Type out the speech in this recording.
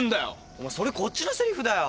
お前それこっちのセリフだよ。